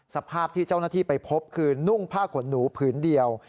สภาพที่เจ้าหน้าที่ไปพบคือนุ่งผ้าขนหนูผืนเดียว